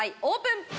オープン！